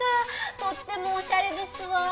とってもおしゃれですわ。